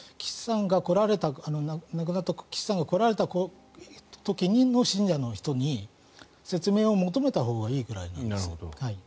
亡くなった岸さんが来られた時の信者の人に説明を求めたほうがいいぐらいなんです。